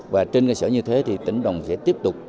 và trên cơ sở như thế thì tỉnh đồng sẽ tiếp tục